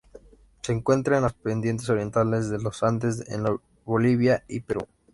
Se encuentra en las pendientes orientales de los Andes en Bolivia y Perú.